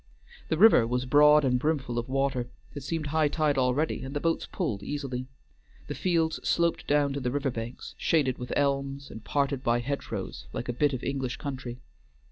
The river was broad and brimful of water; it seemed high tide already, and the boats pulled easily. The fields sloped down to the river banks, shaded with elms and parted by hedgerows like a bit of English country.